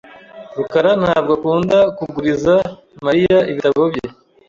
rukara ntabwo akunda kuguriza Mariya ibitabo bye .